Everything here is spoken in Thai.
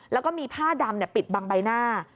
แล้วก็มีผ้าดำปิดบังใบหน้า